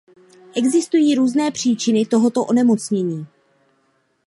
Existují různé příčiny tohoto onemocnění.